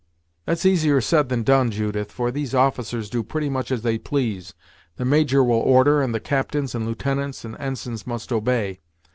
"That's easier said than done, Judith, for these officers do pretty much as they please. The Major will order, and captains, and lieutenants, and ensigns must obey.